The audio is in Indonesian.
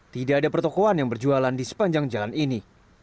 tidak ada pertokohan yang berjualan di sepanjang jalan ini